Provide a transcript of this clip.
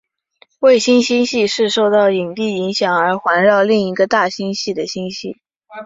卫星星系是受到引力影响而环绕另一个大星系的星系。